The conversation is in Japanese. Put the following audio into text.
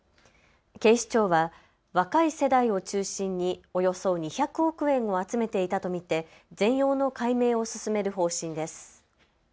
警視庁は若い世代を中心におよそ２００億円を集めていたと見て全容の解明を進める方針です。